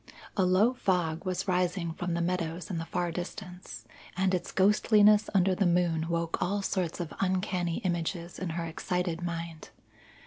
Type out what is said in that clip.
A low fog was rising from the meadows in the far distance, and its ghostliness under the moon woke all sorts of uncanny images in her excited mind.